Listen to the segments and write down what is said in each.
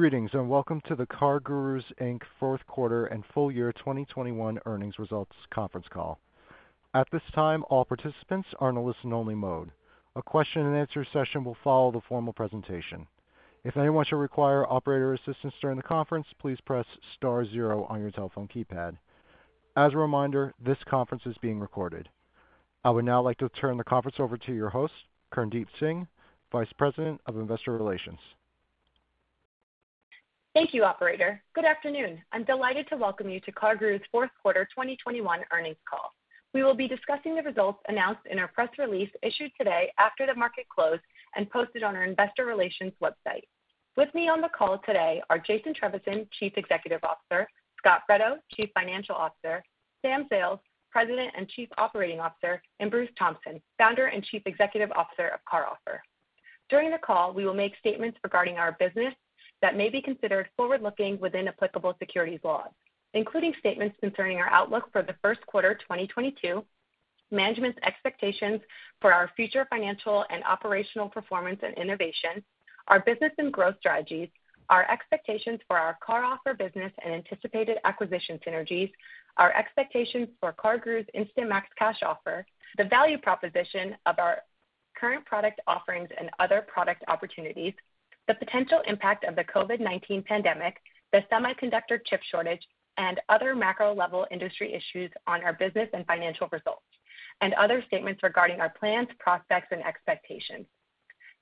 Greetings, and Welcome to the CarGurus, Inc. fourth quarter and full year 2021 earnings results conference call. At this time, all participants are in a listen only mode. A question and answer session will follow the formal presentation. If anyone should require operator assistance during the conference, please press star zero on your telephone keypad. As a reminder, this conference is being recorded. I would now like to turn the conference over to your host, Kirndeep Singh, Vice President of Investor Relations. Thank you, operator. Good afternoon. I'm delighted to welcome you to CarGurus fourth quarter 2021 earnings call. We will be discussing the results announced in our press release issued today after the market closed and posted on our investor relations website. With me on the call today are Jason Trevisan, Chief Executive Officer, Scot Fredo, Chief Financial Officer, Sam Zales, President and Chief Operating Officer, and Bruce Thompson, Founder and Chief Executive Officer of CarOffer. During the call, we will make statements regarding our business that may be considered forward-looking within applicable securities laws, including statements concerning our outlook for the first quarter 2022, management's expectations for our future financial and operational performance and innovation, our business and growth strategies, our expectations for our CarOffer business and anticipated acquisition synergies, our expectations for CarGurus Instant Max Cash Offer, the value proposition of our current product offerings and other product opportunities, the potential impact of the COVID-19 pandemic, the semiconductor chip shortage, and other macro-level industry issues on our business and financial results, and other statements regarding our plans, prospects, and expectations.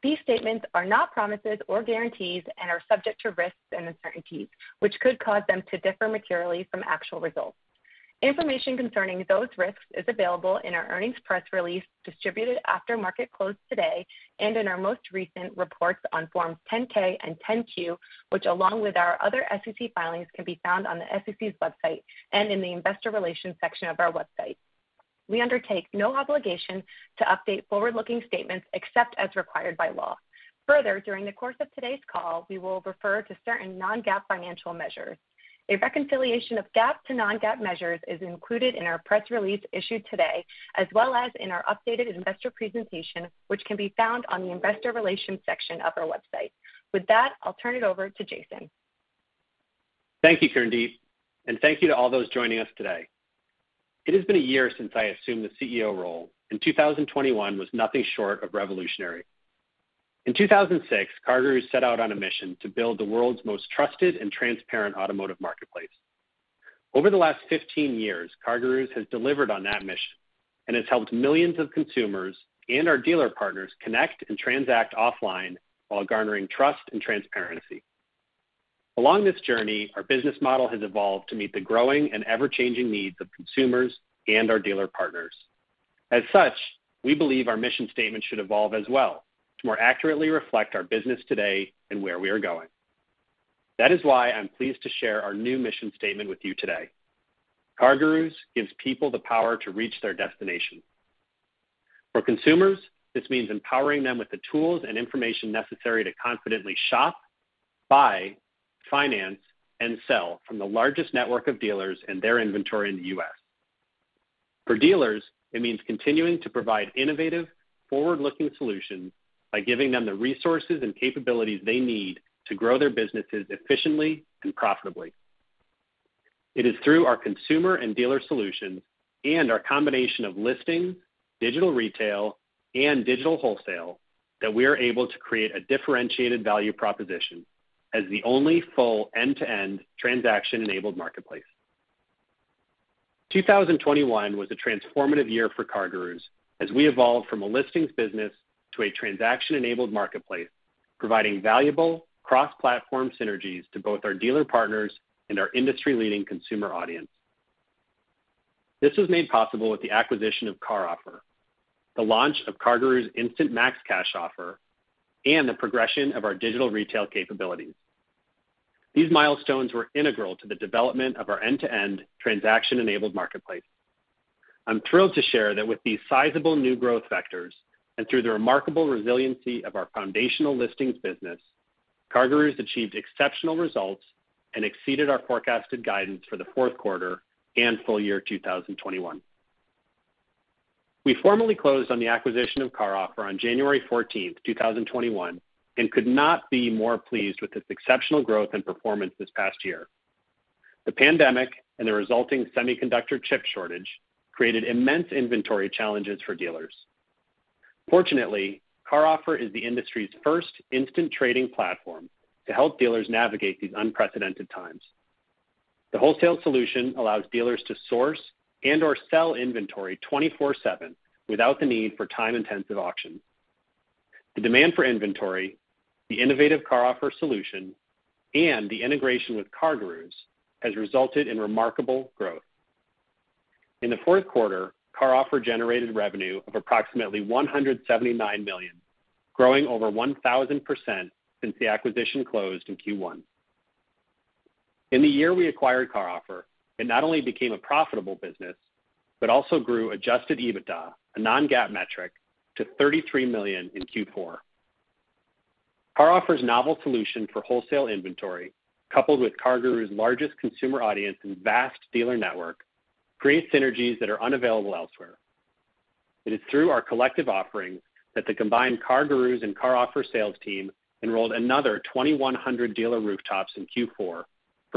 These statements are not promises or guarantees and are subject to risks and uncertainties which could cause them to differ materially from actual results. Information concerning those risks is available in our earnings press release distributed after market close today and in our most recent reports on Forms 10-K and 10-Q, which along with our other SEC filings, can be found on the SEC's website and in the investor relations section of our website. We undertake no obligation to update forward-looking statements except as required by law. Further, during the course of today's call, we will refer to certain non-GAAP financial measures. A reconciliation of GAAP to non-GAAP measures is included in our press release issued today, as well as in our updated investor presentation, which can be found on the investor relations section of our website. With that, I'll turn it over to Jason. Thank you, Kirndeep, and thank you to all those joining us today. It has been a year since I assumed the CEO role, and 2021 was nothing short of revolutionary. In 2006, CarGurus set out on a mission to build the world's most trusted and transparent automotive marketplace. Over the last 15 years, CarGurus has delivered on that mission and has helped millions of consumers and our dealer partners connect and transact offline while garnering trust and transparency. Along this journey, our business model has evolved to meet the growing and ever-changing needs of consumers and our dealer partners. As such, we believe our mission statement should evolve as well to more accurately reflect our business today and where we are going. That is why I'm pleased to share our new mission statement with you today. CarGurus gives people the power to reach their destination. For consumers, this means empowering them with the tools and information necessary to confidently shop, buy, finance, and sell from the largest network of dealers and their inventory in the U.S. For dealers, it means continuing to provide innovative, forward-looking solutions by giving them the resources and capabilities they need to grow their businesses efficiently and profitably. It is through our consumer and dealer solutions and our combination of listing, digital retail, and digital wholesale that we are able to create a differentiated value proposition as the only full end-to-end transaction-enabled marketplace. 2021 was a transformative year for CarGurus as we evolved from a listings business to a transaction-enabled marketplace, providing valuable cross-platform synergies to both our dealer partners and our industry-leading consumer audience. This was made possible with the acquisition of CarOffer, the launch of CarGurus Instant Max Cash Offer, and the progression of our digital retail capabilities. These milestones were integral to the development of our end-to-end transaction-enabled marketplace. I'm thrilled to share that with these sizable new growth vectors, and through the remarkable resiliency of our foundational listings business, CarGurus achieved exceptional results and exceeded our forecasted guidance for the fourth quarter and full year 2021. We formally closed on the acquisition of CarOffer on January 14th, 2021 and could not be more pleased with this exceptional growth and performance this past year. The pandemic and the resulting semiconductor chip shortage created immense inventory challenges for dealers. Fortunately, CarOffer is the industry's first instant trading platform to help dealers navigate these unprecedented times. The wholesale solution allows dealers to source and/or sell inventory 24/7 without the need for time-intensive auctions. The demand for inventory, the innovative CarOffer solution, and the integration with CarGurus has resulted in remarkable growth. In the fourth quarter, CarOffer generated revenue of approximately $179 million, growing over 1,000% since the acquisition closed in Q1. In the year we acquired CarOffer, it not only became a profitable business but also grew adjusted EBITDA, a non-GAAP metric, to $33 million in Q4. CarOffer's novel solution for wholesale inventory, coupled with CarGurus' largest consumer audience and vast dealer network, creates synergies that are unavailable elsewhere. It is through our collective offerings that the combined CarGurus and CarOffer sales team enrolled another 2,100 dealer rooftops in Q4 for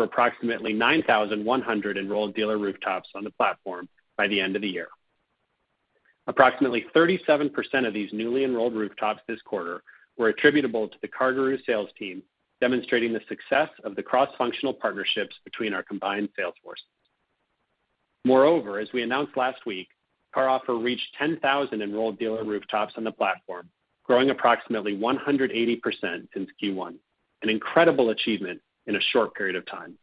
approximately 9,100 enrolled dealer rooftops on the platform by the end of the year. Approximately 37% of these newly enrolled rooftops this quarter were attributable to the CarGurus sales team, demonstrating the success of the cross-functional partnerships between our combined sales forces. Moreover, as we announced last week, CarOffer reached 10,000 enrolled dealer rooftops on the platform, growing approximately 180% since Q1, an incredible achievement in a short period of time.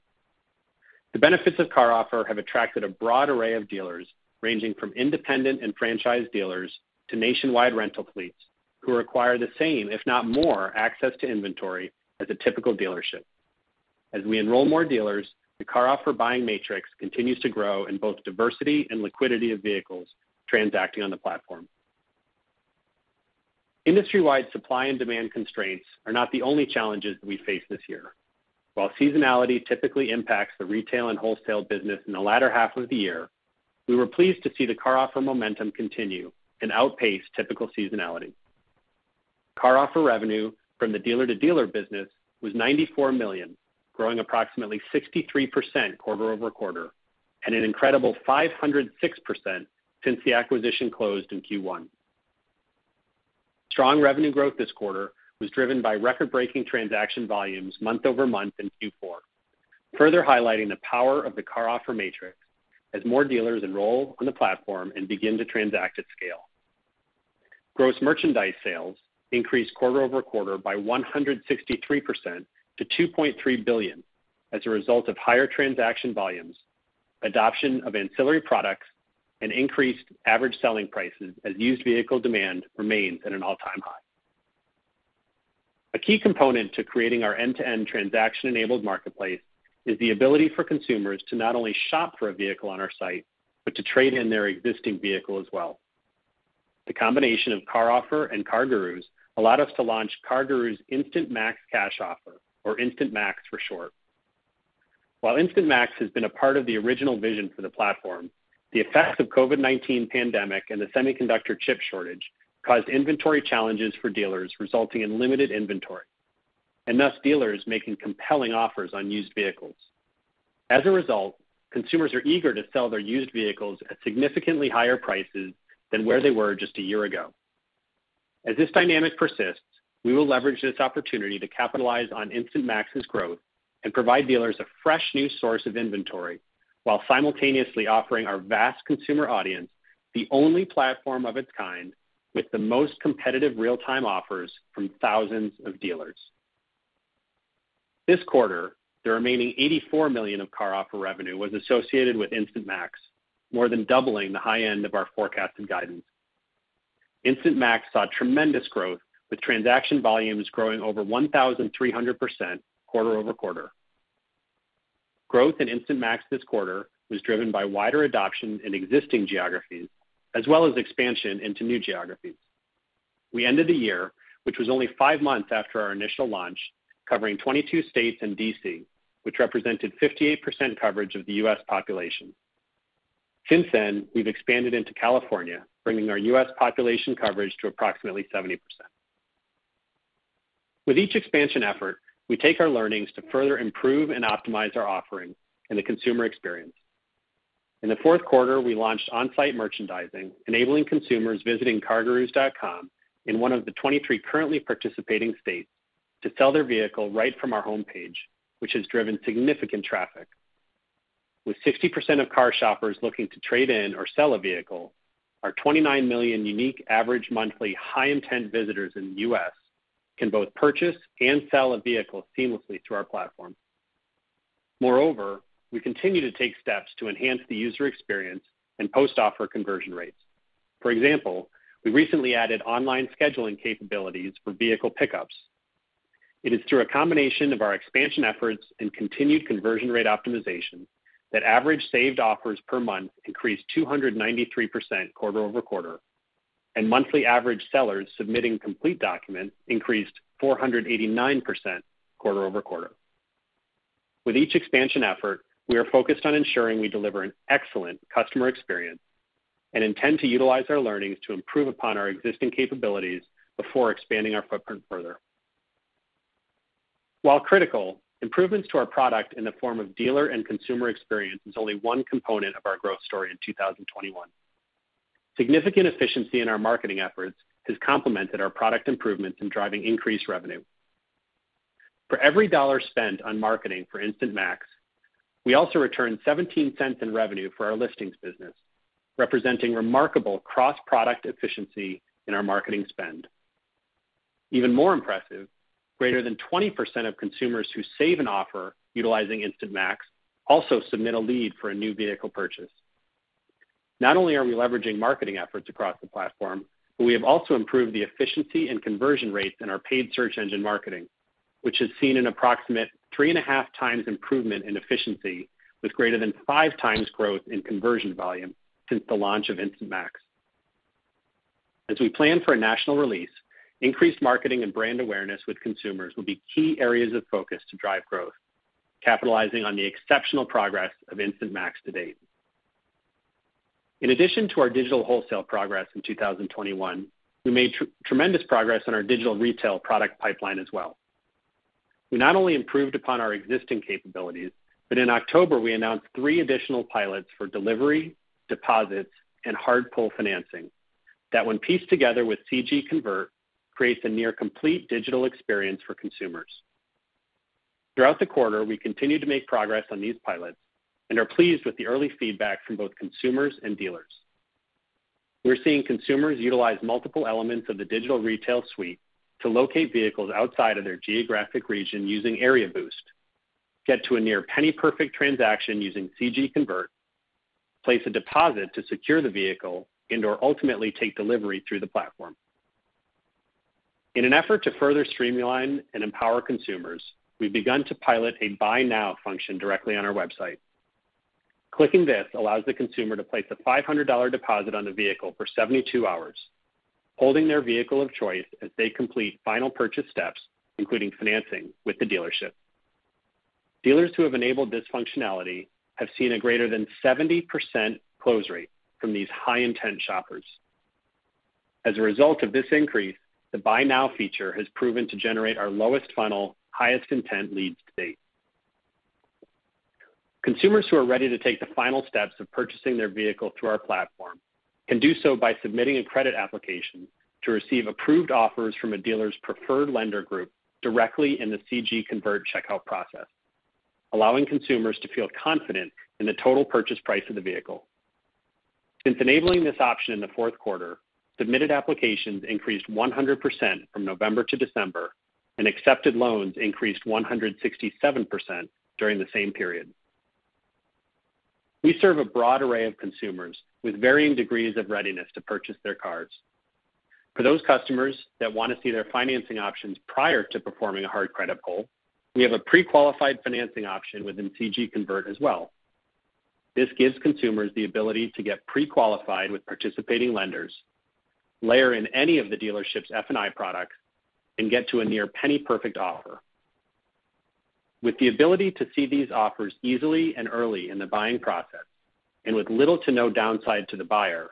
The benefits of CarOffer have attracted a broad array of dealers, ranging from independent and franchise dealers to nationwide rental fleets who require the same, if not more, access to inventory as a typical dealership. As we enroll more dealers, the CarOffer buying matrix continues to grow in both diversity and liquidity of vehicles transacting on the platform. Industry-wide supply and demand constraints are not the only challenges we face this year. While seasonality typically impacts the retail and wholesale business in the latter half of the year, we were pleased to see the CarOffer momentum continue and outpace typical seasonality. CarOffer revenue from the dealer-to-dealer business was $94 million, growing approximately 63% quarter-over-quarter, and an incredible 506% since the acquisition closed in Q1. Strong revenue growth this quarter was driven by record-breaking transaction volumes month-over-month in Q4, further highlighting the power of the CarOffer matrix as more dealers enroll on the platform and begin to transact at scale. Gross merchandise sales increased quarter-over-quarter by 163% to $2.3 billion as a result of higher transaction volumes, adoption of ancillary products, and increased average selling prices as used vehicle demand remains at an all-time high. A key component to creating our end-to-end transaction-enabled marketplace is the ability for consumers to not only shop for a vehicle on our site, but to trade in their existing vehicle as well. The combination of CarOffer and CarGurus allowed us to launch CarGurus Instant Max Cash Offer, or Instant Max for short. While Instant Max has been a part of the original vision for the platform, the effects of COVID-19 pandemic and the semiconductor chip shortage caused inventory challenges for dealers, resulting in limited inventory, and thus dealers making compelling offers on used vehicles. As a result, consumers are eager to sell their used vehicles at significantly higher prices than where they were just a year ago. As this dynamic persists, we will leverage this opportunity to capitalize on Instant Max's growth and provide dealers a fresh new source of inventory while simultaneously offering our vast consumer audience the only platform of its kind with the most competitive real-time offers from thousands of dealers. This quarter, the remaining $84 million of CarOffer revenue was associated with Instant Max, more than doubling the high end of our forecasted guidance. Instant Max saw tremendous growth, with transaction volumes growing over 1,300% quarter-over-quarter. Growth in Instant Max this quarter was driven by wider adoption in existing geographies as well as expansion into new geographies. We ended the year, which was only 5 months after our initial launch, covering 22 states and D.C., which represented 58% coverage of the U.S. population. Since then, we've expanded into California, bringing our U.S. population coverage to approximately 70%. With each expansion effort, we take our learnings to further improve and optimize our offering and the consumer experience. In the fourth quarter, we launched on-site merchandising, enabling consumers visiting cargurus.com in one of the 23 currently participating states to sell their vehicle right from our homepage, which has driven significant traffic. With 60% of car shoppers looking to trade in or sell a vehicle, our 29 million unique average monthly high-intent visitors in the U.S. can both purchase and sell a vehicle seamlessly through our platform. Moreover, we continue to take steps to enhance the user experience and post-offer conversion rates. For example, we recently added online scheduling capabilities for vehicle pickups. It is through a combination of our expansion efforts and continued conversion rate optimization that average saved offers per month increased 293% quarter-over-quarter, and monthly average sellers submitting complete documents increased 489% quarter-over-quarter. With each expansion effort, we are focused on ensuring we deliver an excellent customer experience and intend to utilize our learnings to improve upon our existing capabilities before expanding our footprint further. While critical, improvements to our product in the form of dealer and consumer experience is only one component of our growth story in 2021. Significant efficiency in our marketing efforts has complemented our product improvements in driving increased revenue. For every $1 spent on marketing for Instant Max, we also return $0.17 in revenue for our listings business, representing remarkable cross-product efficiency in our marketing spend. Even more impressive, greater than 20% of consumers who save an offer utilizing Instant Max also submit a lead for a new vehicle purchase. Not only are we leveraging marketing efforts across the platform, but we have also improved the efficiency and conversion rates in our paid search engine marketing, which has seen an approximate 3.5x improvement in efficiency with greater than 5x growth in conversion volume since the launch of Instant Max. As we plan for a national release, increased marketing and brand awareness with consumers will be key areas of focus to drive growth, capitalizing on the exceptional progress of Instant Max to date. In addition to our digital wholesale progress in 2021, we made tremendous progress on our digital retail product pipeline as well. We not only improved upon our existing capabilities, but in October, we announced three additional pilots for delivery, deposits, and hard pull financing that when pieced together with CG Convert, creates a near-complete digital experience for consumers. Throughout the quarter, we continued to make progress on these pilots and are pleased with the early feedback from both consumers and dealers. We're seeing consumers utilize multiple elements of the digital retail suite to locate vehicles outside of their geographic region using Area Boost, get to a near penny-perfect transaction using CG Convert, place a deposit to secure the vehicle, and/or ultimately take delivery through the platform. In an effort to further streamline and empower consumers, we've begun to pilot a Buy Now function directly on our website. Clicking this allows the consumer to place a $500 deposit on the vehicle for 72 hours, holding their vehicle of choice as they complete final purchase steps, including financing with the dealership. Dealers who have enabled this functionality have seen a greater than 70% close rate from these high-intent shoppers. As a result of this increase, the Buy Now feature has proven to generate our lowest funnel, highest intent leads to date. Consumers who are ready to take the final steps of purchasing their vehicle through our platform can do so by submitting a credit application to receive approved offers from a dealer's preferred lender group directly in the CG Convert checkout process, allowing consumers to feel confident in the total purchase price of the vehicle. Since enabling this option in the fourth quarter, submitted applications increased 100% from November to December, and accepted loans increased 167% during the same period. We serve a broad array of consumers with varying degrees of readiness to purchase their cars. For those customers that wanna see their financing options prior to performing a hard credit pull, we have a pre-qualified financing option within CG Convert as well. This gives consumers the ability to get pre-qualified with participating lenders, layer in any of the dealership's F&I products, and get to a near penny perfect offer. With the ability to see these offers easily and early in the buying process, and with little to no downside to the buyer,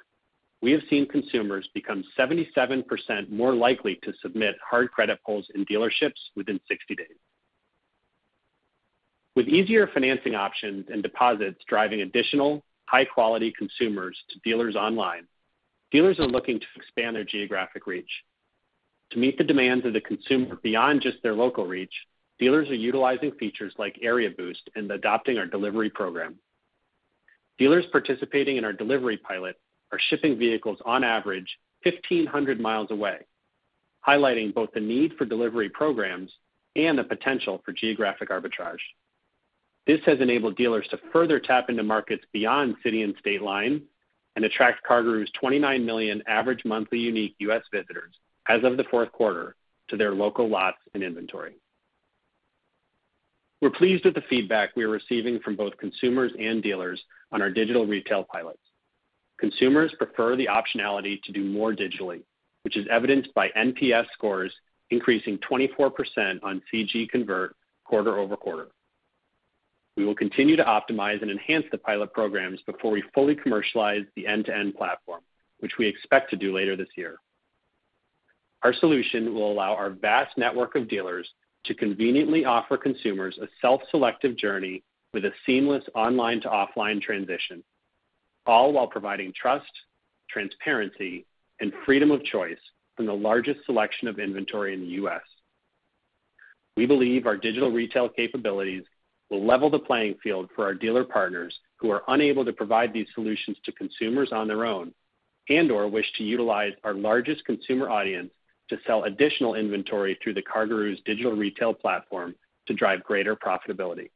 we have seen consumers become 77% more likely to submit hard credit pulls in dealerships within 60 days. With easier financing options and deposits driving additional high-quality consumers to dealers online, dealers are looking to expand their geographic reach. To meet the demands of the consumer beyond just their local reach, dealers are utilizing features like Area Boost and adopting our delivery program. Dealers participating in our delivery pilot are shipping vehicles on average 1,500 miles away, highlighting both the need for delivery programs and the potential for geographic arbitrage. This has enabled dealers to further tap into markets beyond city and state line and attract CarGurus' 29 million average monthly unique U.S. visitors as of the fourth quarter to their local lots and inventory. We're pleased with the feedback we are receiving from both consumers and dealers on our digital retail pilots. Consumers prefer the optionality to do more digitally, which is evidenced by NPS scores increasing 24% on CG Convert quarter-over-quarter. We will continue to optimize and enhance the pilot programs before we fully commercialize the end-to-end platform, which we expect to do later this year. Our solution will allow our vast network of dealers to conveniently offer consumers a self-selective journey with a seamless online to offline transition, all while providing trust, transparency, and freedom of choice from the largest selection of inventory in the U.S. We believe our digital retail capabilities will level the playing field for our dealer partners who are unable to provide these solutions to consumers on their own and/or wish to utilize our largest consumer audience to sell additional inventory through the CarGurus digital retail platform to drive greater profitability.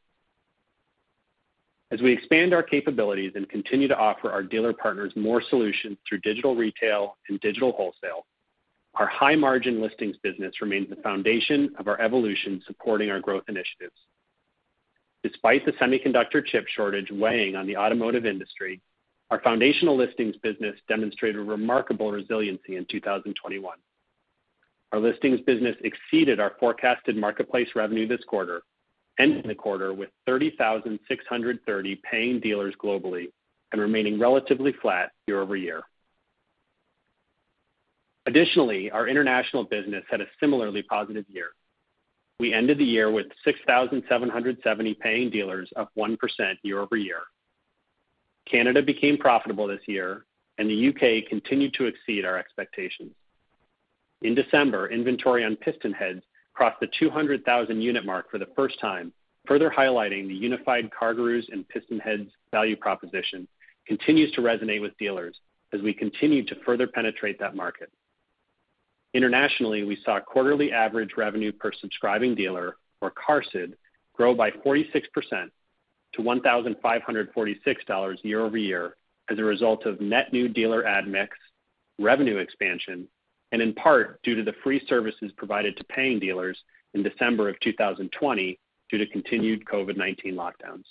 As we expand our capabilities and continue to offer our dealer partners more solutions through digital retail and digital wholesale, our high-margin listings business remains the foundation of our evolution supporting our growth initiatives. Despite the semiconductor chip shortage weighing on the automotive industry, our foundational listings business demonstrated remarkable resiliency in 2021. Our listings business exceeded our forecasted marketplace revenue this quarter, ending the quarter with 30,630 paying dealers globally and remaining relatively flat year-over-year. Additionally, our international business had a similarly positive year. We ended the year with 6,770 paying dealers, up 1% year-over-year. Canada became profitable this year, and the U.K. continued to exceed our expectations. In December, inventory on PistonHeads crossed the 200,000 unit mark for the first time, further highlighting the unified CarGurus and PistonHeads value proposition continues to resonate with dealers as we continue to further penetrate that market. Internationally, we saw Quarterly Average Revenue per Subscribing Dealer, or QARSD, grow by 46% to $1,546 year-over-year as a result of net new dealer add mix, revenue expansion, and in part due to the free services provided to paying dealers in December of 2020 due to continued COVID-19 lockdowns.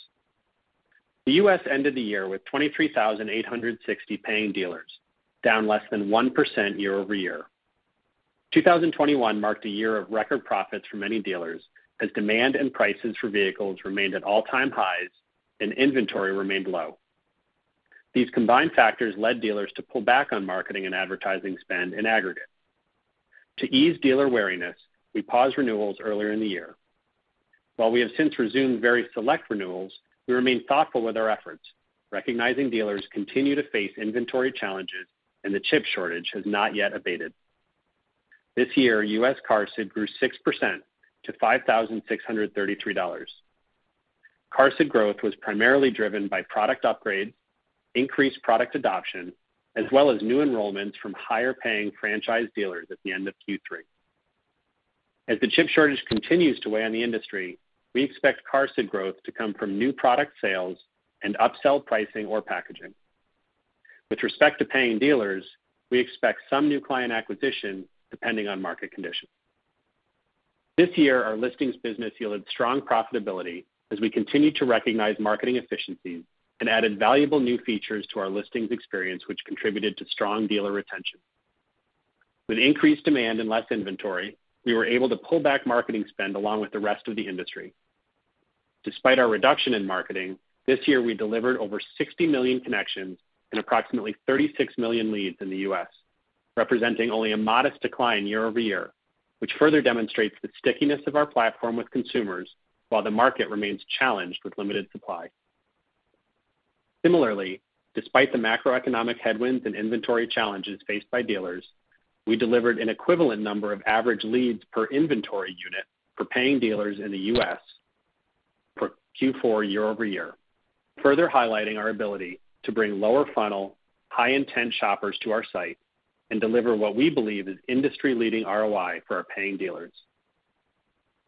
The U.S. ended the year with 23,860 paying dealers, down less than 1% year-over-year. 2021 marked a year of record profits for many dealers as demand and prices for vehicles remained at all-time highs and inventory remained low. These combined factors led dealers to pull back on marketing and advertising spend in aggregate. To ease dealer wariness, we paused renewals earlier in the year. While we have since resumed very select renewals, we remain thoughtful with our efforts, recognizing dealers continue to face inventory challenges and the chip shortage has not yet abated. This year, U.S. QARSD grew 6% to $5,633. QARSD growth was primarily driven by product upgrades, increased product adoption, as well as new enrollments from higher paying franchise dealers at the end of Q3. As the chip shortage continues to weigh on the industry, we expect QARSD growth to come from new product sales and upsell pricing or packaging. With respect to paying dealers, we expect some new client acquisition depending on market conditions. This year, our listings business yielded strong profitability as we continued to recognize marketing efficiencies and added valuable new features to our listings experience, which contributed to strong dealer retention. With increased demand and less inventory, we were able to pull back marketing spend along with the rest of the industry. Despite our reduction in marketing, this year we delivered over 60 million connections and approximately 36 million leads in the U.S., representing only a modest decline year-over-year, which further demonstrates the stickiness of our platform with consumers while the market remains challenged with limited supply. Similarly, despite the macroeconomic headwinds and inventory challenges faced by dealers, we delivered an equivalent number of average leads per inventory unit for paying dealers in the U.S. for Q4 year-over-year, further highlighting our ability to bring lower funnel, high intent shoppers to our site and deliver what we believe is industry-leading ROI for our paying dealers.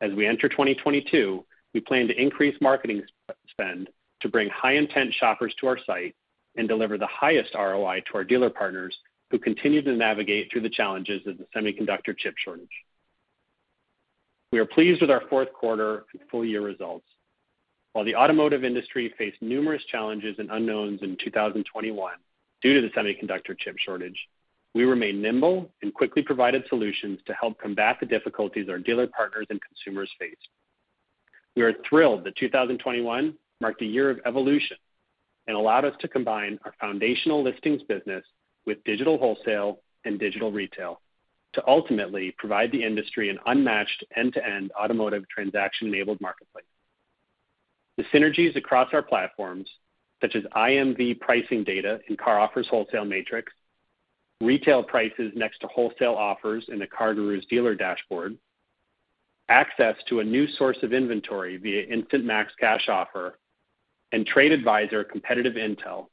As we enter 2022, we plan to increase marketing spend to bring high intent shoppers to our site and deliver the highest ROI to our dealer partners who continue to navigate through the challenges of the semiconductor chip shortage. We are pleased with our fourth quarter full year results. While the automotive industry faced numerous challenges and unknowns in 2021 due to the semiconductor chip shortage, we remained nimble and quickly provided solutions to help combat the difficulties our dealer partners and consumers faced. We are thrilled that 2021 marked a year of evolution and allowed us to combine our foundational listings business with digital wholesale and digital retail to ultimately provide the industry an unmatched end-to-end automotive transaction-enabled marketplace. The synergies across our platforms, such as IMV pricing data in CarOffer's Wholesale Matrix, retail prices next to wholesale offers in the CarGurus dealer dashboard, access to a new source of inventory via Instant Max Cash Offer, and Trade Advisor competitive intel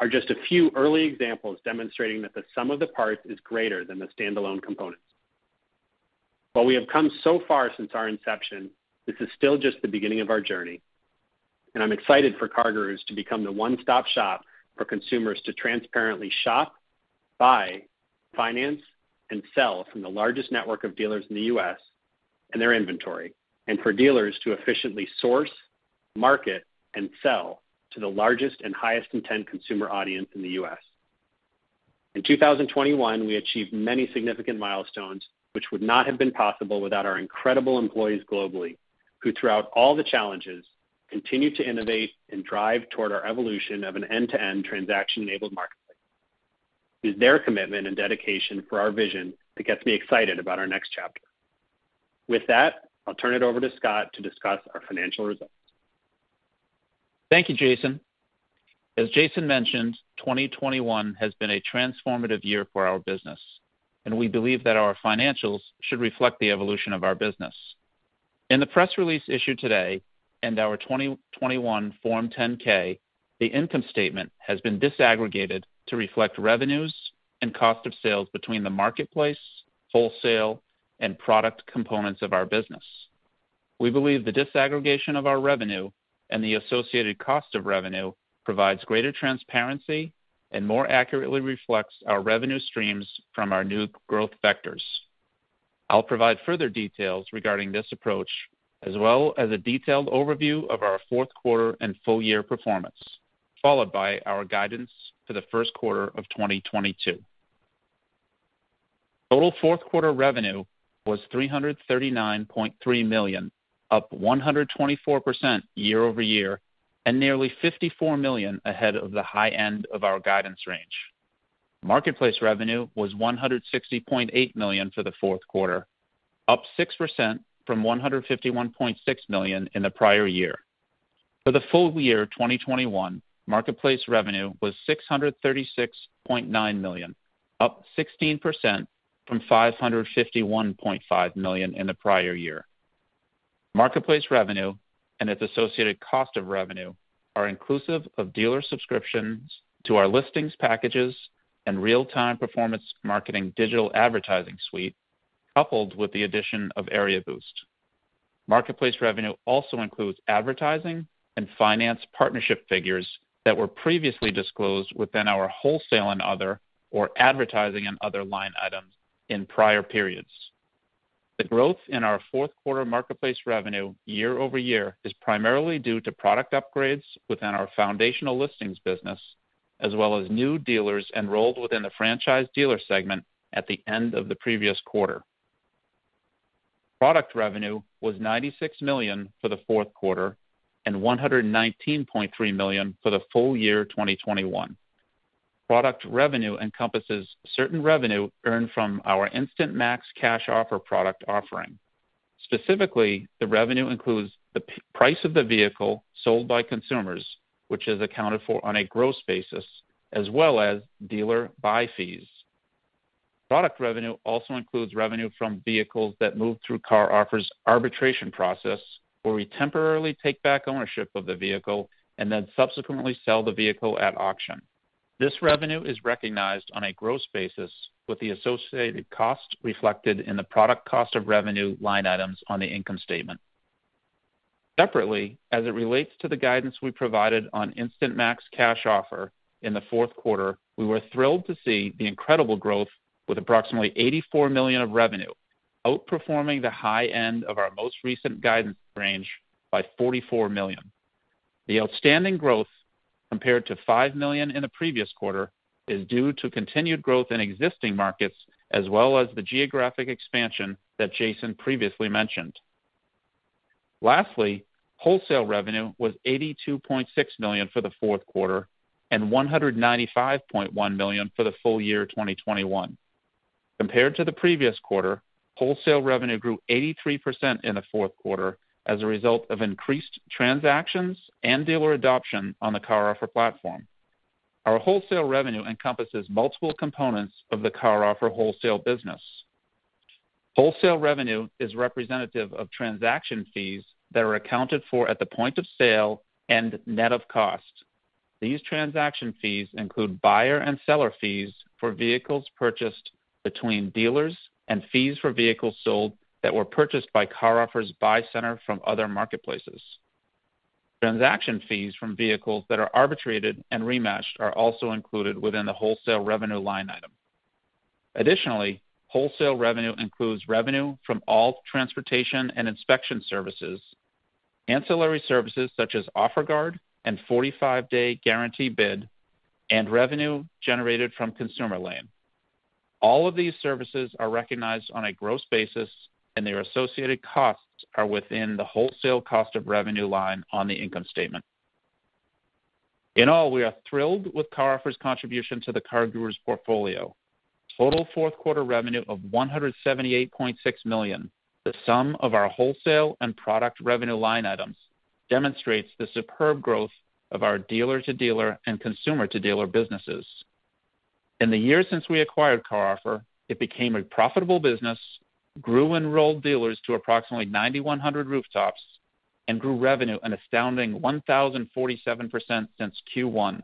are just a few early examples demonstrating that the sum of the parts is greater than the standalone components. While we have come so far since our inception, this is still just the beginning of our journey, and I'm excited for CarGurus to become the one-stop shop for consumers to transparently shop, buy, finance, and sell from the largest network of dealers in the U.S. and their inventory, and for dealers to efficiently source, market, and sell to the largest and highest intent consumer audience in the U.S. In 2021, we achieved many significant milestones, which would not have been possible without our incredible employees globally, who, throughout all the challenges, continue to innovate and drive toward our evolution of an end-to-end transaction-enabled marketplace. It is their commitment and dedication for our vision that gets me excited about our next chapter. With that, I'll turn it over to Scot to discuss our financial results. Thank you, Jason. As Jason mentioned, 2021 has been a transformative year for our business, and we believe that our financials should reflect the evolution of our business. In the press release issued today and our 2021 Form 10-K, the income statement has been disaggregated to reflect revenues and cost of sales between the marketplace, wholesale, and product components of our business. We believe the disaggregation of our revenue and the associated cost of revenue provides greater transparency and more accurately reflects our revenue streams from our new growth vectors. I'll provide further details regarding this approach, as well as a detailed overview of our fourth quarter and full year performance, followed by our guidance for the first quarter of 2022. Total fourth quarter revenue was $339.3 million, up 124% year-over-year, and nearly $54 million ahead of the high end of our guidance range. Marketplace revenue was $160.8 million for the fourth quarter, up 6% from $151.6 million in the prior year. For the full year 2021, marketplace revenue was $636.9 million, up 16% from $551.5 million in the prior year. Marketplace revenue and its associated cost of revenue are inclusive of dealer subscriptions to our listings packages and real-time performance marketing digital advertising suite, coupled with the addition of Area Boost. Marketplace revenue also includes advertising and finance partnership figures that were previously disclosed within our wholesale and other or advertising and other line items in prior periods. The growth in our fourth quarter marketplace revenue year-over-year is primarily due to product upgrades within our foundational listings business, as well as new dealers enrolled within the franchise dealer segment at the end of the previous quarter. Product revenue was $96 million for the fourth quarter and $119.3 million for the full year 2021. Product revenue encompasses certain revenue earned from our Instant Max Cash Offer product offering. Specifically, the revenue includes the purchase price of the vehicle sold by consumers, which is accounted for on a gross basis, as well as dealer buy fees. Product revenue also includes revenue from vehicles that move through CarOffer's arbitration process, where we temporarily take back ownership of the vehicle and then subsequently sell the vehicle at auction. This revenue is recognized on a gross basis with the associated cost reflected in the product cost of revenue line items on the income statement. Separately, as it relates to the guidance we provided on Instant Max Cash Offer in the fourth quarter, we were thrilled to see the incredible growth with approximately $84 million of revenue, outperforming the high end of our most recent guidance range by $44 million. The outstanding growth, compared to $5 million in the previous quarter, is due to continued growth in existing markets as well as the geographic expansion that Jason previously mentioned. Lastly, wholesale revenue was $82.6 million for the fourth quarter and $195.1 million for the full year 2021. Compared to the previous quarter, wholesale revenue grew 83% in the fourth quarter as a result of increased transactions and dealer adoption on the CarOffer platform. Our wholesale revenue encompasses multiple components of the CarOffer wholesale business. Wholesale revenue is representative of transaction fees that are accounted for at the point of sale and net of cost. These transaction fees include buyer and seller fees for vehicles purchased between dealers and fees for vehicles sold that were purchased by CarOffer's buy center from other marketplaces. Transaction fees from vehicles that are arbitrated and rematched are also included within the wholesale revenue line item. Additionally, wholesale revenue includes revenue from all transportation and inspection services, ancillary services such as OfferGuard and 45-day guarantee bid, and revenue generated from Consumer Lane. All of these services are recognized on a gross basis, and their associated costs are within the wholesale cost of revenue line on the income statement. In all, we are thrilled with CarOffer's contribution to the CarGurus portfolio. Total fourth quarter revenue of $178.6 million, the sum of our wholesale and product revenue line items, demonstrates the superb growth of our dealer-to-dealer and consumer-to-dealer businesses. In the years since we acquired CarOffer, it became a profitable business, grew enrolled dealers to approximately 9,100 rooftops, and grew revenue an astounding 1,047% since Q1,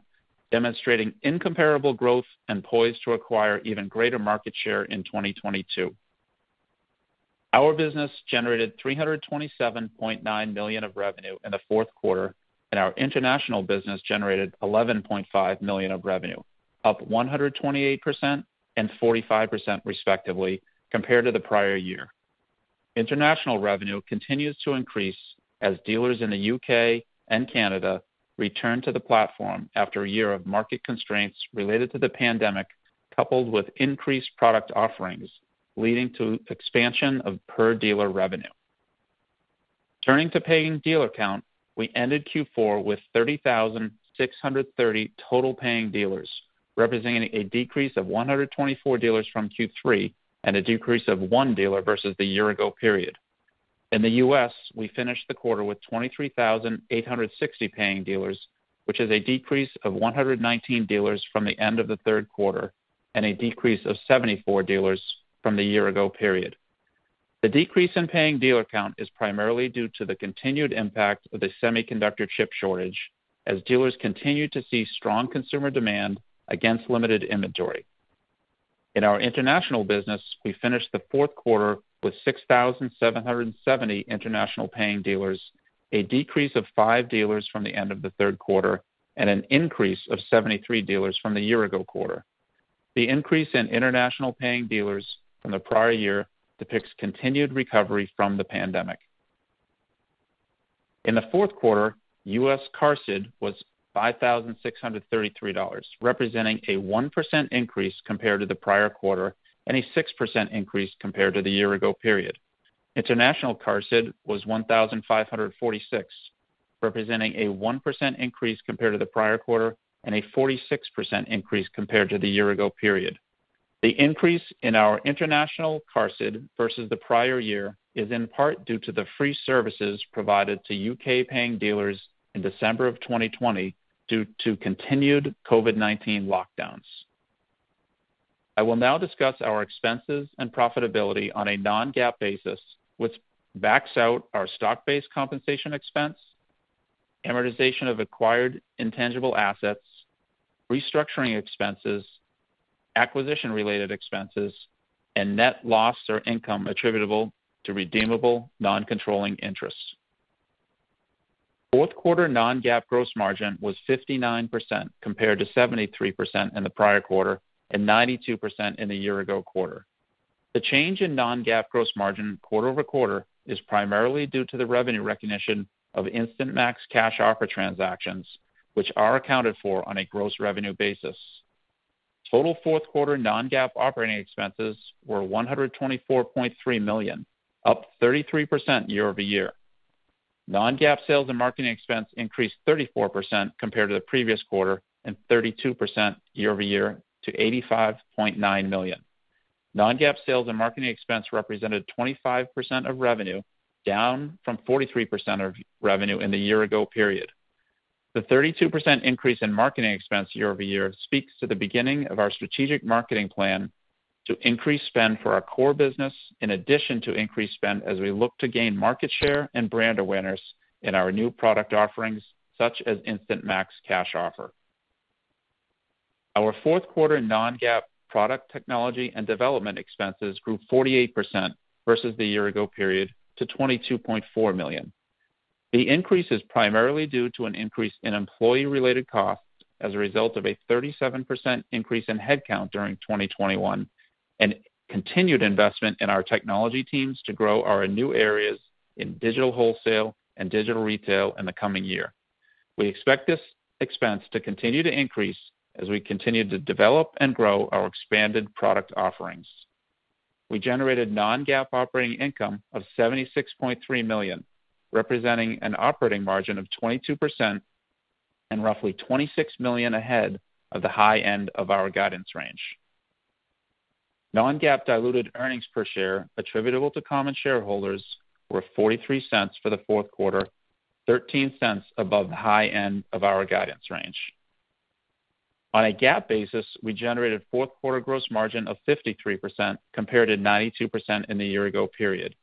demonstrating incomparable growth and poised to acquire even greater market share in 2022. Our business generated $327.9 million of revenue in the fourth quarter, and our international business generated $11.5 million of revenue, up 128% and 45% respectively compared to the prior year. International revenue continues to increase as dealers in the U.K. and Canada return to the platform after a year of market constraints related to the pandemic, coupled with increased product offerings, leading to expansion of per dealer revenue. Turning to paying dealer count, we ended Q4 with 30,630 total paying dealers, representing a decrease of 124 dealers from Q3 and a decrease of one dealer versus the year ago period. In the U.S., we finished the quarter with 23,860 paying dealers, which is a decrease of 119 dealers from the end of the third quarter and a decrease of 74 dealers from the year ago period. The decrease in paying dealer count is primarily due to the continued impact of the semiconductor chip shortage as dealers continue to see strong consumer demand against limited inventory. In our international business, we finished the fourth quarter with 6,770 international paying dealers, a decrease of five dealers from the end of the third quarter, and an increase of 73 dealers from the year ago quarter. The increase in international paying dealers from the prior year depicts continued recovery from the pandemic. In the fourth quarter, U.S. QARSD was $5,633, representing a 1% increase compared to the prior quarter and a 6% increase compared to the year ago period. International QARSDwas $1,546, representing a 1% increase compared to the prior quarter and a 46% increase compared to the year ago period. The increase in our international QARSD versus the prior year is in part due to the free services provided to U.K. paying dealers in December of 2020 due to continued COVID-19 lockdowns. I will now discuss our expenses and profitability on a non-GAAP basis, which backs out our stock-based compensation expense, amortization of acquired intangible assets, restructuring expenses, acquisition-related expenses, and net loss or income attributable to redeemable non-controlling interests. Fourth quarter non-GAAP gross margin was 59% compared to 73% in the prior quarter and 92% in the year ago quarter. The change in non-GAAP gross margin quarter-over-quarter is primarily due to the revenue recognition of Instant Max Cash Offer transactions, which are accounted for on a gross revenue basis. Total fourth quarter non-GAAP operating expenses were $124.3 million, up 33% year-over-year. Non-GAAP sales and marketing expense increased 34% compared to the previous quarter and 32% year-over-year to $85.9 million. Non-GAAP sales and marketing expense represented 25% of revenue, down from 43% of revenue in the year ago period. The 32% increase in marketing expense year-over-year speaks to the beginning of our strategic marketing plan to increase spend for our core business in addition to increased spend as we look to gain market share and brand awareness in our new product offerings, such as Instant Max Cash Offer. Our fourth quarter non-GAAP product technology and development expenses grew 48% versus the year ago period to $22.4 million. The increase is primarily due to an increase in employee related costs as a result of a 37% increase in headcount during 2021 and continued investment in our technology teams to grow our new areas in digital wholesale and digital retail in the coming year. We expect this expense to continue to increase as we continue to develop and grow our expanded product offerings. We generated non-GAAP operating income of $76.3 million, representing an operating margin of 22% and roughly $26 million ahead of the high end of our guidance range. Non-GAAP diluted earnings per share attributable to common shareholders were $0.43 for the fourth quarter, $0.13 above the high end of our guidance range. On a GAAP basis, we generated fourth quarter gross margin of 53% compared to 92% in the year ago period.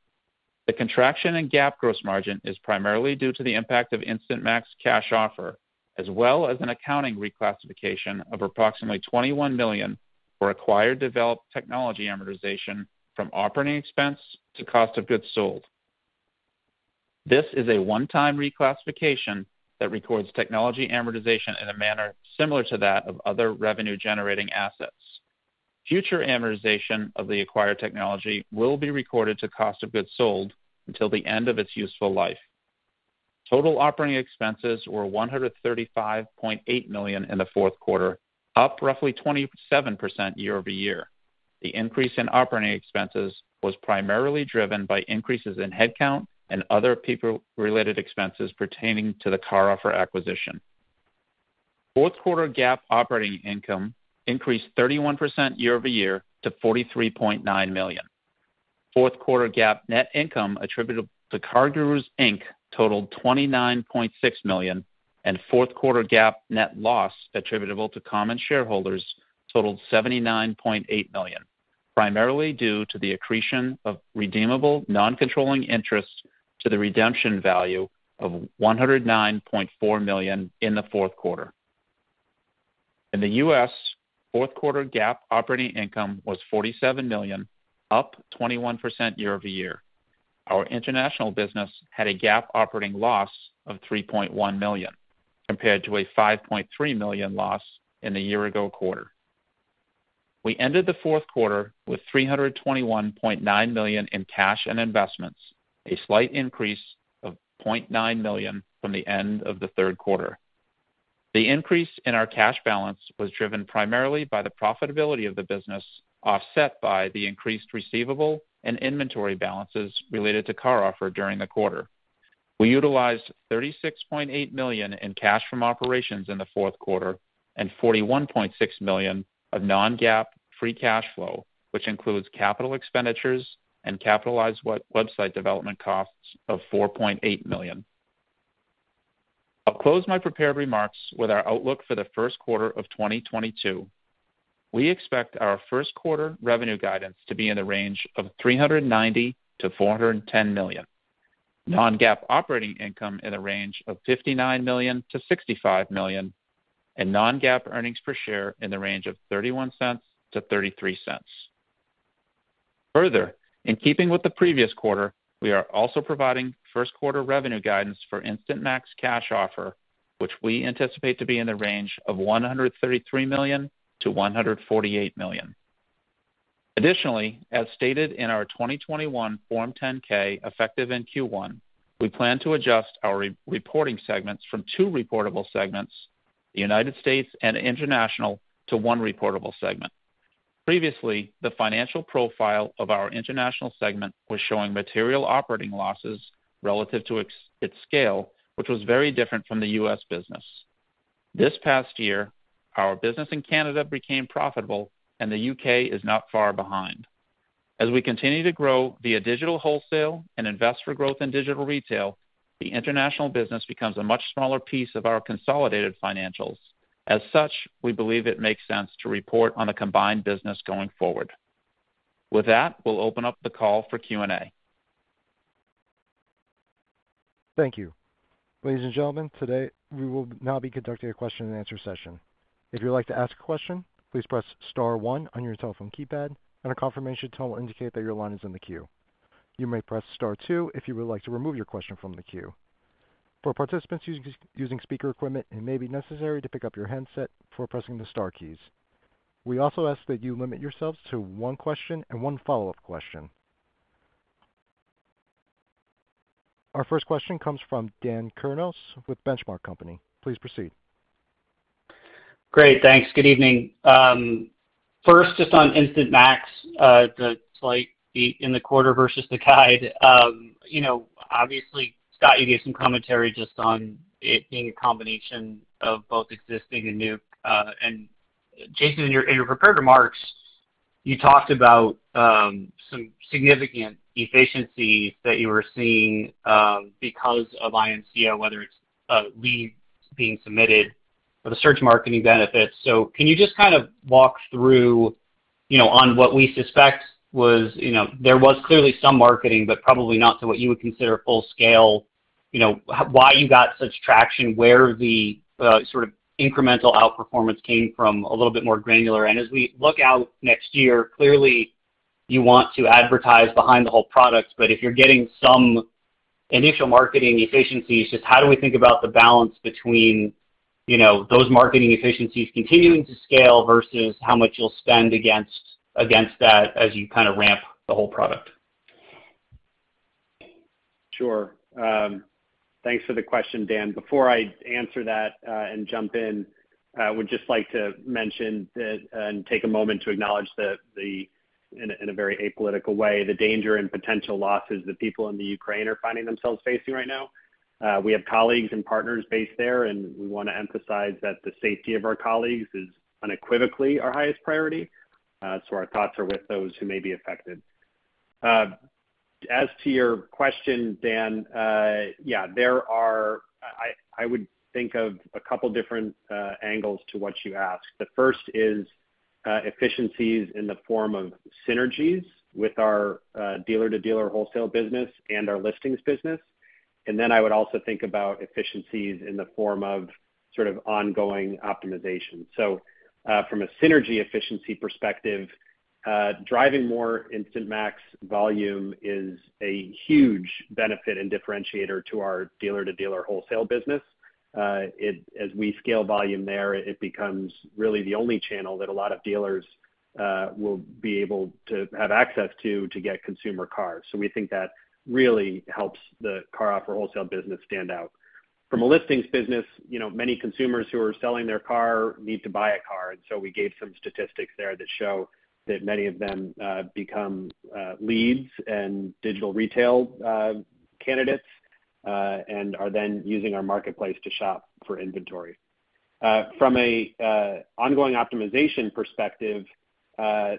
The contraction in GAAP gross margin is primarily due to the impact of Instant Max Cash Offer, as well as an accounting reclassification of approximately $21 million for acquired developed technology amortization from operating expense to cost of goods sold. This is a one-time reclassification that records technology amortization in a manner similar to that of other revenue-generating assets. Future amortization of the acquired technology will be recorded to cost of goods sold until the end of its useful life. Total operating expenses were $135.8 million in the fourth quarter, up roughly 27% year-over-year. The increase in operating expenses was primarily driven by increases in headcount and other people-related expenses pertaining to the CarOffer acquisition. Fourth quarter GAAP operating income increased 31% year-over-year to $43.9 million. Fourth quarter GAAP net income attributable to CarGurus Inc. totaled $29.6 million, and fourth quarter GAAP net loss attributable to common shareholders totaled $79.8 million, primarily due to the accretion of redeemable non-controlling interest to the redemption value of $109.4 million in the fourth quarter. In the U.S., fourth quarter GAAP operating income was $47 million, up 21% year-over-year. Our international business had a GAAP operating loss of $3.1 million, compared to a $5.3 million loss in the year-ago quarter. We ended the fourth quarter with $321.9 million in cash and investments, a slight increase of $0.9 million from the end of the third quarter. The increase in our cash balance was driven primarily by the profitability of the business, offset by the increased receivable and inventory balances related to CarOffer during the quarter. We utilized $36.8 million in cash from operations in the fourth quarter and $41.6 million of non-GAAP free cash flow, which includes capital expenditures and capitalized website development costs of $4.8 million. I'll close my prepared remarks with our outlook for the first quarter of 2022. We expect our first quarter revenue guidance to be in the range of $390 million-$410 million. Non-GAAP operating income in the range of $59 million-$65 million. Non-GAAP earnings per share in the range of $0.31-$0.33. Further, in keeping with the previous quarter, we are also providing first quarter revenue guidance for Instant Max Cash Offer, which we anticipate to be in the range of $133 million-$148 million. Additionally, as stated in our 2021 Form 10-K, effective in Q1, we plan to adjust our reportable segments from two reportable segments, the United States and International, to one reportable segment. Previously, the financial profile of our international segment was showing material operating losses relative to its scale, which was very different from the U.S. business. This past year, our business in Canada became profitable and the U.K. is not far behind. As we continue to grow via digital wholesale and invest for growth in digital retail, the international business becomes a much smaller piece of our consolidated financials. As such, we believe it makes sense to report on the combined business going forward. With that, we'll open up the call for Q&A. Thank you. Ladies and gentlemen, today we will now be conducting a question and answer session. If you'd like to ask a question, please press star one on your telephone keypad, and a confirmation tone will indicate that your line is in the queue. You may press star two if you would like to remove your question from the queue. For participants using speaker equipment, it may be necessary to pick up your handset before pressing the star keys. We also ask that you limit yourselves to one question and one follow-up question. Our first question comes from Dan Kurnos with The Benchmark Company. Please proceed. Great, thanks. Good evening. First, just on Instant Max, the slight beat in the quarter versus the guide. You know, obviously, Scot, you gave some commentary just on it being a combination of both existing and new. Jason, in your prepared remarks, you talked about some significant efficiencies that you were seeing because of IMCO, whether it's leads being submitted or the search marketing benefits. Can you just kind of walk through, you know, on what we suspect was, you know, there was clearly some marketing, but probably not to what you would consider full scale, you know, why you got such traction, where the sort of incremental outperformance came from a little bit more granular. As we look out next year, clearly you want to advertise behind the whole product, but if you're getting some initial marketing efficiencies, just how do we think about the balance between, you know, those marketing efficiencies continuing to scale versus how much you'll spend against that as you kind of ramp the whole product? Sure. Thanks for the question, Dan. Before I answer that and jump in, I would just like to mention that and take a moment to acknowledge, in a very apolitical way, the danger and potential losses that people in the Ukraine are finding themselves facing right now. We have colleagues and partners based there, and we wanna emphasize that the safety of our colleagues is unequivocally our highest priority. So our thoughts are with those who may be affected. As to your question, Dan, yeah, there are. I would think of a couple different angles to what you asked. The first is efficiencies in the form of synergies with our dealer-to-dealer wholesale business and our listings business. I would also think about efficiencies in the form of sort of ongoing optimization. From a synergy efficiency perspective, driving more Instant Max volume is a huge benefit and differentiator to our dealer-to-dealer wholesale business. As we scale volume there, it becomes really the only channel that a lot of dealers will be able to have access to get consumer cars. We think that really helps the CarOffer wholesale business stand out. From a listings business, many consumers who are selling their car need to buy a car, and so we gave some statistics there that show that many of them become leads and digital retail candidates, and are then using our marketplace to shop for inventory. From an ongoing optimization perspective,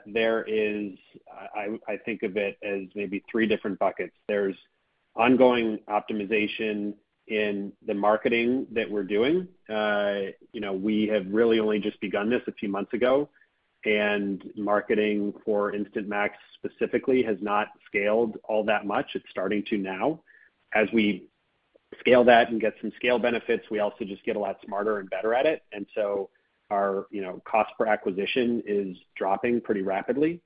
there is, I think of it as maybe three different buckets. There's ongoing optimization in the marketing that we're doing. You know, we have really only just begun this a few months ago, and marketing for Instant Max specifically has not scaled all that much. It's starting to now. As we scale that and get some scale benefits, we also just get a lot smarter and better at it. Our, you know, cost per acquisition is dropping pretty rapidly.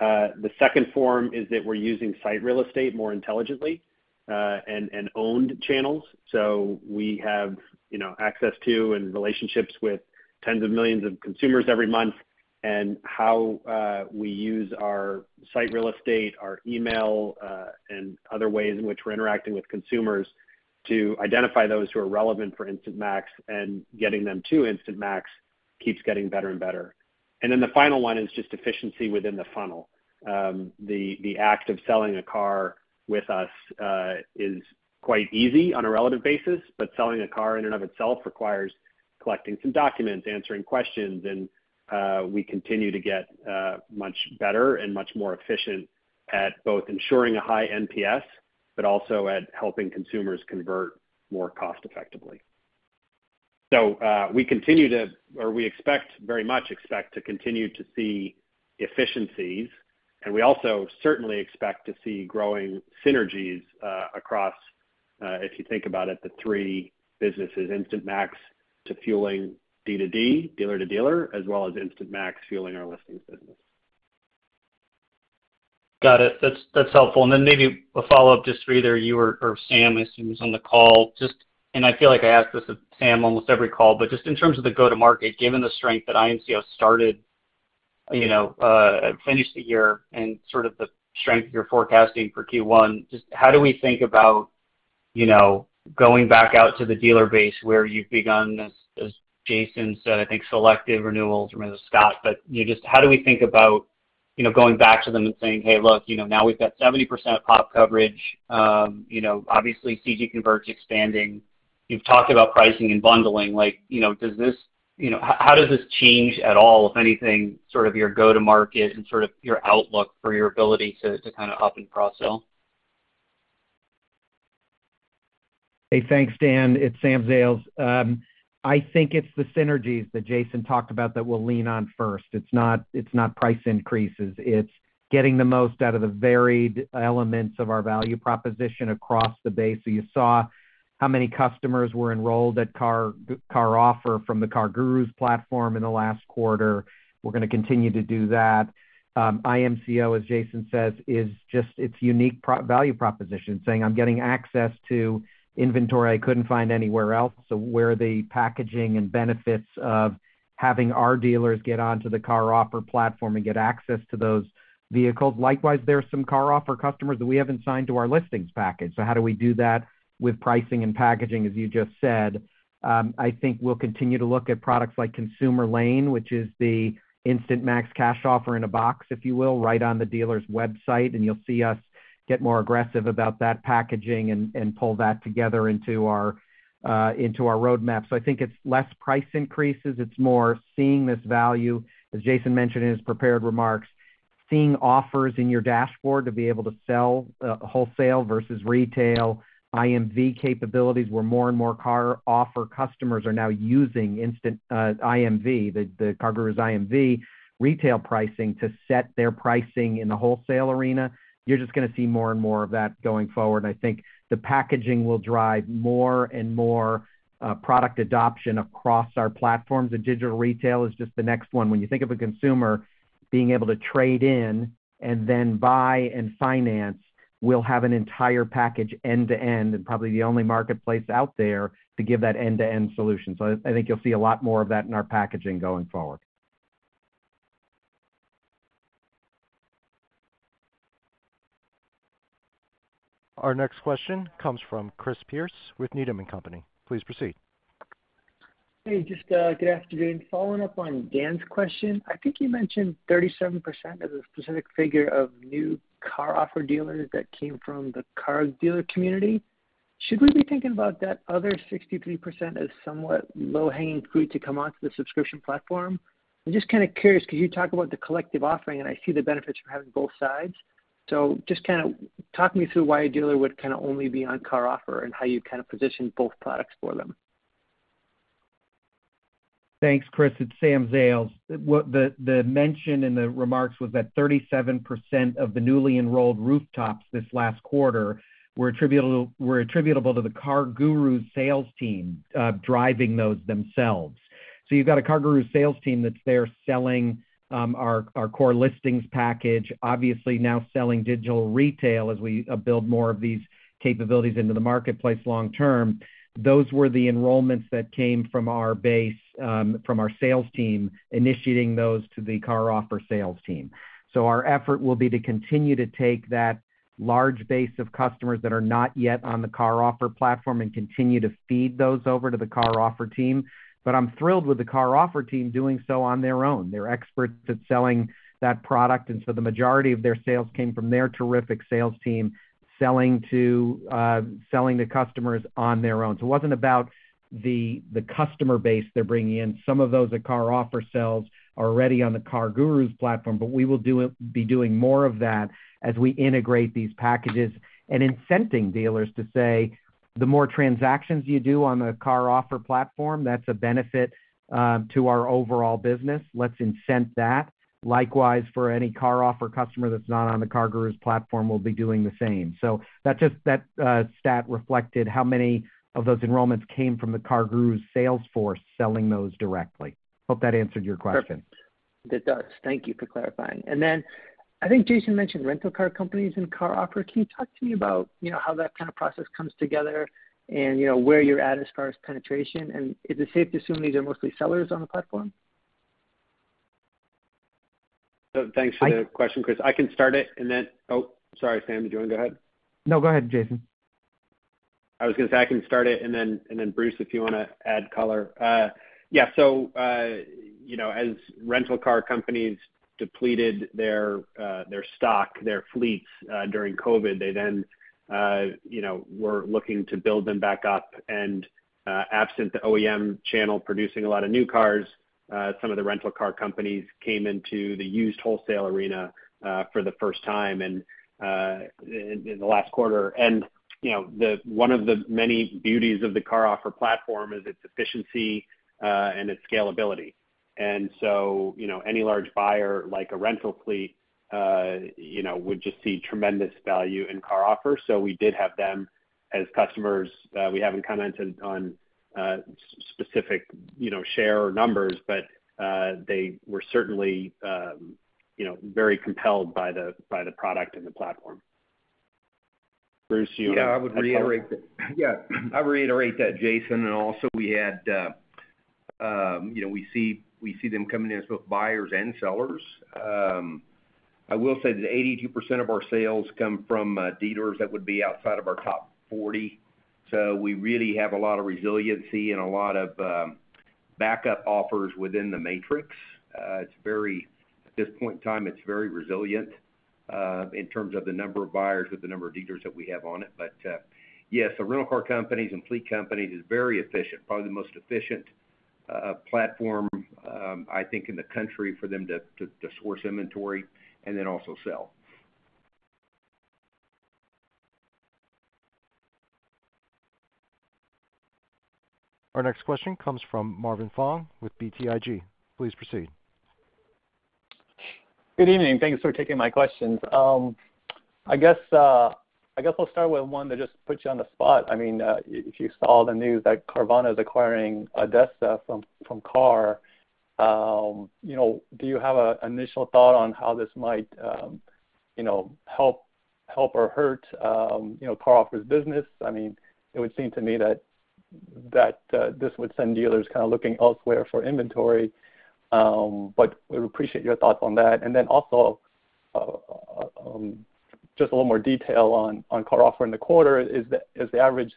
The second form is that we're using site real estate more intelligently, and owned channels. We have, you know, access to and relationships with tens of millions of consumers every month and how we use our site real estate, our email, and other ways in which we're interacting with consumers to identify those who are relevant for Instant Max and getting them to Instant Max keeps getting better and better. Then the final one is just efficiency within the funnel. The act of selling a car with us is quite easy on a relative basis, but selling a car in and of itself requires collecting some documents, answering questions, and we continue to get much better and much more efficient at both ensuring a high NPS, but also at helping consumers convert more cost effectively. We expect, very much expect to continue to see efficiencies. We also certainly expect to see growing synergies across, if you think about it, the three businesses, Instant Max to fueling D2D, dealer-to-dealer, as well as Instant Max fueling our listings business. Got it. That's helpful. Then maybe a follow-up just for either you or Sam, I assume is on the call. I feel like I ask this of Sam almost every call, but just in terms of the go-to-market, given the strength that IMCO started, you know, finished the year and sort of the strength you're forecasting for Q1, just how do we think about, you know, going back out to the dealer base where you've begun this, as Jason said, I think selective renewals or maybe it was Scot. You just, how do we think about, you know, going back to them and saying, "Hey, look, you know, now we've got 70% pop coverage." You know, obviously, CG Convert expanding? You've talked about pricing and bundling. Like, you know, does this, you know. How does this change at all, if anything, sort of your go-to-market and sort of your outlook for your ability to kind of up and cross-sell? Hey, thanks, Dan. It's Sam Zales. I think it's the synergies that Jason talked about that we'll lean on first. It's not price increases. It's getting the most out of the varied elements of our value proposition across the base. You saw how many customers were enrolled at CarOffer from the CarGurus platform in the last quarter. We're gonna continue to do that. IMCO, as Jason says, is just its unique value proposition, saying I'm getting access to inventory I couldn't find anywhere else. We're the packaging and benefits of having our dealers get onto the CarOffer platform and get access to those vehicles. Likewise, there are some CarOffer customers that we haven't signed to our listings package. How do we do that with pricing and packaging, as you just said? I think we'll continue to look at products like Consumer Lane, which is the Instant Max Cash Offer in a box, if you will, right on the dealer's website, and you'll see us get more aggressive about that packaging and pull that together into our roadmap. I think it's less price increases. It's more seeing this value, as Jason mentioned in his prepared remarks, seeing offers in your dashboard to be able to sell wholesale versus retail, IMV capabilities, where more and more CarOffer customers are now using instant IMV, the CarGurus IMV retail pricing to set their pricing in the wholesale arena. You're just gonna see more and more of that going forward. I think the packaging will drive more and more product adoption across our platforms. The digital retail is just the next one. When you think of a consumer being able to trade in and then buy and finance, we'll have an entire package end to end and probably the only marketplace out there to give that end-to-end solution. I think you'll see a lot more of that in our packaging going forward. Our next question comes from Chris Pierce with Needham & Company. Please proceed. Hey, just, good afternoon. Following up on Dan's question, I think you mentioned 37% as a specific figure of new CarOffer dealers that came from the car dealer community. Should we be thinking about that other 63% as somewhat low-hanging fruit to come onto the subscription platform? I'm just kinda curious 'cause you talk about the collective offering, and I see the benefits from having both sides. Just kinda talk me through why a dealer would kinda only be on CarOffer and how you kind of position both products for them. Thanks, Chris. It's Sam Zales. The mention in the remarks was that 37% of the newly enrolled rooftops this last quarter were attributable to the CarGurus sales team driving those themselves. You've got a CarGurus sales team that's there selling our core listings package, obviously now selling digital retail as we build more of these capabilities into the marketplace long term. Those were the enrollments that came from our base, from our sales team initiating those to the CarOffer sales team. Our effort will be to continue to take that large base of customers that are not yet on the CarOffer platform and continue to feed those over to the CarOffer team. I'm thrilled with the CarOffer team doing so on their own. They're experts at selling that product, and the majority of their sales came from their terrific sales team selling to customers on their own. It wasn't about the customer base they're bringing in. Some of those that CarOffer sells are already on the CarGurus platform, but we will be doing more of that as we integrate these packages and incenting dealers to say, "The more transactions you do on the CarOffer platform, that's a benefit to our overall business. Let's incent that." Likewise, for any CarOffer customer that's not on the CarGurus platform, we'll be doing the same. That stat reflected how many of those enrollments came from the CarGurus sales force selling those directly. Hope that answered your question. Perfect. It does. Thank you for clarifying. I think Jason mentioned rental car companies in CarOffer. Can you talk to me about, you know, how that kind of process comes together and, you know, where you're at as far as penetration, and is it safe to assume these are mostly sellers on the platform? Thanks for the question, Chris. Oh, sorry, Sam, do you want to go ahead? No, go ahead, Jason. I was gonna say I can start it and then Bruce, if you wanna add color. Yeah, so, you know, as rental car companies depleted their stock, their fleets during COVID, they then, you know, were looking to build them back up. Absent the OEM channel producing a lot of new cars, some of the rental car companies came into the used wholesale arena for the first time and in the last quarter. You know, one of the many beauties of the CarOffer platform is its efficiency and its scalability. You know, any large buyer, like a rental fleet, you know, would just see tremendous value in CarOffer. We did have them as customers. We haven't commented on specific, you know, share or numbers, but they were certainly, you know, very compelled by the product and the platform. Bruce, do you wanna add color? I reiterate that, Jason. You know, we see them coming in as both buyers and sellers. I will say that 82% of our sales come from dealers that would be outside of our top 40. We really have a lot of resiliency and a lot of backup offers within the matrix. At this point in time, it's very resilient in terms of the number of buyers with the number of dealers that we have on it. Rental car companies and fleet companies is very efficient. Probably the most efficient platform I think in the country for them to source inventory and then also sell. Our next question comes from Marvin Fong with BTIG. Please proceed. Good evening. Thanks for taking my questions. I guess I'll start with one that just puts you on the spot. I mean, if you saw the news that Carvana is acquiring ADESA from KAR, you know, do you have an initial thought on how this might, you know, help or hurt, you know, CarOffer's business? I mean, it would seem to me that this would send dealers kind of looking elsewhere for inventory. We appreciate your thoughts on that. Just a little more detail on CarOffer in the quarter. Is the average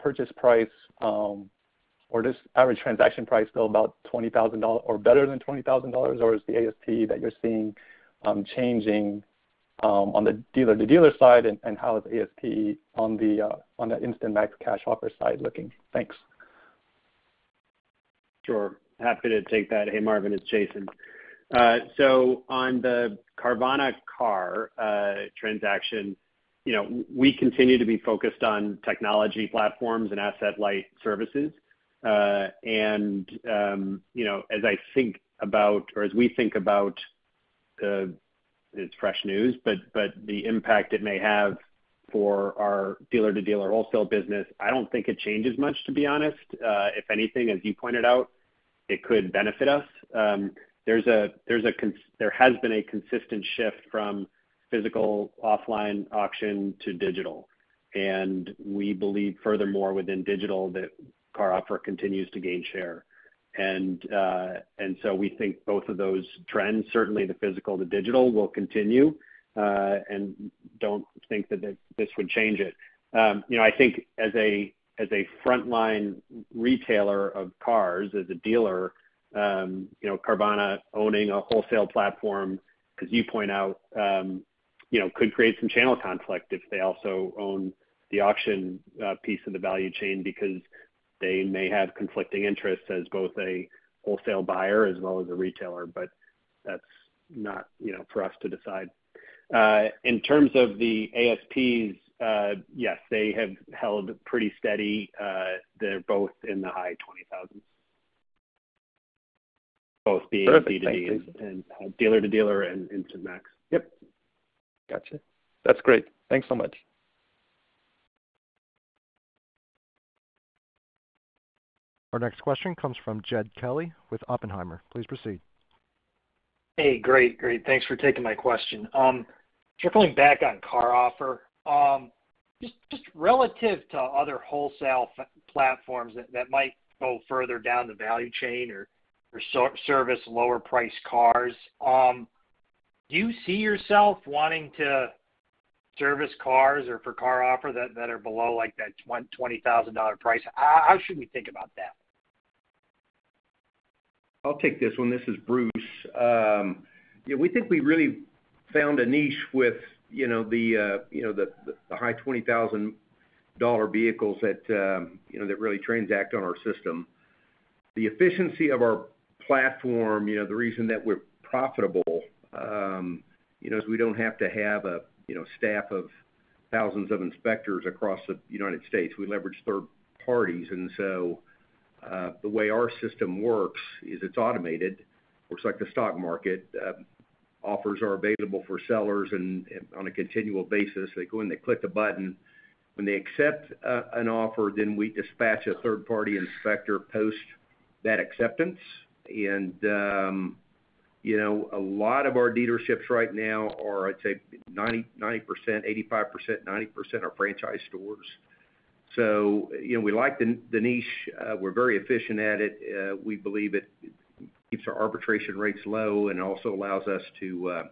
purchase price or this average transaction price still about $20,000 or better than $20,000? Or is the ASP that you're seeing changing on the dealer-to-dealer side? How is ASP on the Instant Max Cash Offer side looking? Thanks. Sure. Happy to take that. Hey, Marvin, it's Jason. So on the Carvana-KAR transaction, you know, we continue to be focused on technology platforms and asset-light services. You know, as I think about or as we think about, it's fresh news, but the impact it may have for our dealer-to-dealer wholesale business, I don't think it changes much, to be honest. If anything, as you pointed out, it could benefit us. There has been a consistent shift from physical offline auction to digital, and we believe furthermore within digital that CarOffer continues to gain share. So we think both of those trends, certainly the physical to digital, will continue, and don't think that this would change it. You know, I think as a frontline retailer of cars, as a dealer, you know, Carvana owning a wholesale platform, as you point out, you know, could create some channel conflict if they also own the auction piece of the value chain because they may have conflicting interests as both a wholesale buyer as well as a retailer, but that's not, you know, for us to decide. In terms of the ASPs, yes, they have held pretty steady. They're both in the high $20,000s. Perfect. Thanks, Jason. Both the D2D, dealer-to-dealer and Instant Max. Yep. Gotcha. That's great. Thanks so much. Our next question comes from Jed Kelly with Oppenheimer. Please proceed. Hey, great. Thanks for taking my question. Circling back on CarOffer, just relative to other wholesale platforms that might go further down the value chain or service lower priced cars, do you see yourself wanting to service cars for CarOffer that are below, like, that $20,000 price? How should we think about that? I'll take this one. This is Bruce. Yeah, we think we really found a niche with, you know, the high-$20,000 vehicles that, you know, that really transact on our system. The efficiency of our platform, you know, the reason that we're profitable, you know, is we don't have to have a, you know, staff of thousands of inspectors across the United States. We leverage third parties. The way our system works is it's automated, works like the stock market. Offers are available for sellers and on a continual basis. They go in, they click a button. When they accept an offer, then we dispatch a third-party inspector post that acceptance. You know, a lot of our dealerships right now are, I'd say 85%-90% are franchise stores. You know, we like the niche. We're very efficient at it. We believe it keeps our arbitration rates low and also allows us to,